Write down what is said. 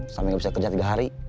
sambil gak bisa kerja tiga hari